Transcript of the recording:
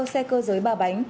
xe cơ giới bà bò